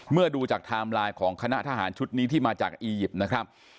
ดูจากไทม์ไลน์ของคณะทหารชุดนี้ที่มาจากอียิปต์นะครับ